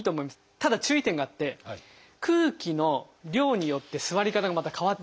ただ注意点があって空気の量によって座り方がまた変わっちゃうんですよ。